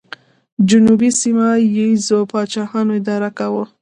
جنوب یې سیمه ییزو پاچاهانو اداره کاوه